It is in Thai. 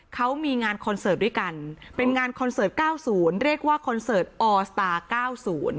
เขามีงานคอนเสิร์ตด้วยกันเป็นงานคอนเสิร์ต๙๐เรียกว่าคอนเสิร์ตออสตาร์๙๐